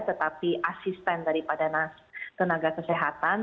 tetapi asisten daripada tenaga kesehatan